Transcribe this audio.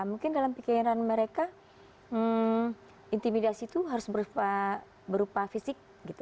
mungkin dalam pikiran mereka intimidasi itu harus berupa fisik gitu